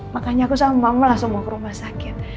makanya aku sama mama langsung mau ke rumah sakit